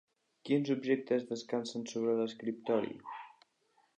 Quins objectes descansen sobre l'escriptori?